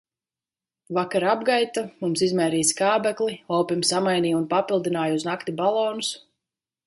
Vakara apgaita, mums izmērīja skābekli, opim samainīja un papildināja uz nakti balonus.